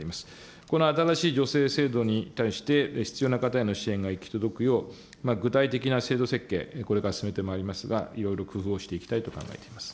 この新しい助成制度に対して、必要な方への支援が行き届くよう、具体的な制度設計、これから進めてまいりますが、いろいろ工夫をしていきたいと考えています。